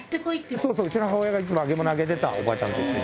そうそう、うちの母親がいつも揚げ物揚げてた、おばちゃんと一緒に。